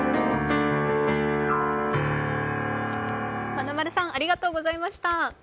まなまるさん、ありがとうございました。